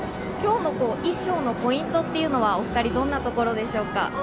きょうの衣装のポイントというのは、お２人、どんなところでしょうか。